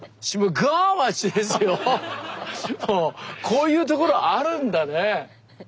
こういうところあるんだね。